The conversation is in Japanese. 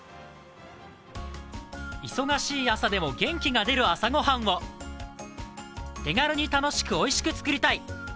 忙しい朝でも元気が出る朝御飯を手軽に楽しくおいしく作りたい。